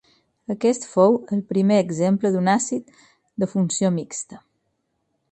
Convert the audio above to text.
Aquest fou el primer exemple d'un àcid de funció mixta.